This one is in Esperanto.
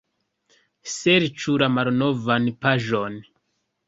Serĉu la malnovan paĝon.